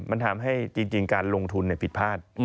มันทำให้จริงการลงทุนผิดพลาด